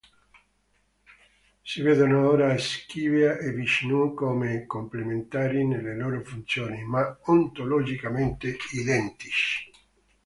Si vedono ora Shiva e Vishnu come "complementari nelle loro funzioni, ma ontologicamente identici".